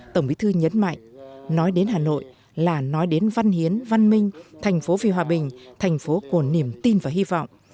tổng bí thư nhấn mạnh nói đến hà nội là nói đến văn hiến văn minh thành phố vì hòa bình thành phố của niềm tin và hy vọng